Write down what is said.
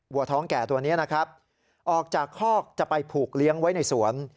ท้องแก่ตัวนี้นะครับออกจากคอกจะไปผูกเลี้ยงไว้ในสวน